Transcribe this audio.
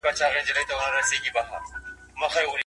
که باران نه وای سوی پښې به نه ښکارېدې.